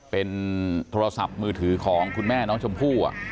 เป็นโทรศัพท์มือถือของคุณแม่น้องชมพู่